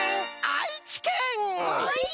愛知県！？